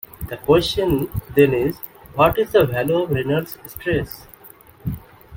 The question then is, what is the value of the Reynolds stress?